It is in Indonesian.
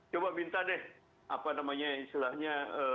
coba minta deh apa namanya istilahnya